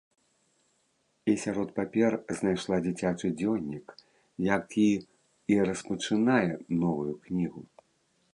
І сярод папер знайшла дзіцячы дзённік, які і распачынае новую кнігу!